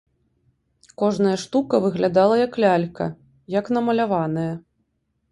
Кожная штука выглядала, як лялька, як намаляваная.